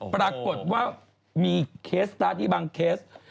ปรากฏว่ามีเคสตาร์ทที่บางเคส